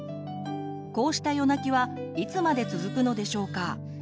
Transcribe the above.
こうした夜泣きはいつまで続くのでしょうか？